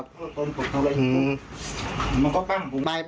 ปืนมันลั่นไปใส่แฟนสาวเขาก็ยังยันกับเราเหมือนเดิมแบบนี้นะคะ